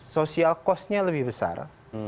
sosial costnya lebih besar